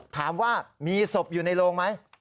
ถามว่ามีศพอยู่ในโรงไหม